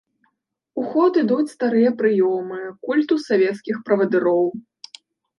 У ход ідуць старыя прыёмы культу савецкіх правадыроў.